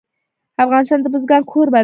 افغانستان د بزګان کوربه دی.